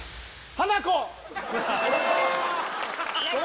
ハナコ